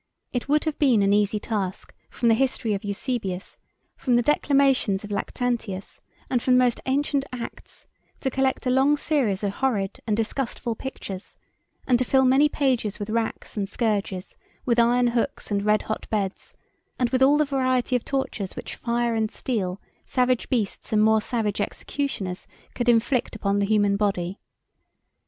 It would have been an easy task, from the history of Eusebius, from the declamations of Lactantius, and from the most ancient acts, to collect a long series of horrid and disgustful pictures, and to fill many pages with racks and scourges, with iron hooks and red hot beds, and with all the variety of tortures which fire and steel, savage beasts, and more savage executioners, could inflict upon the human body.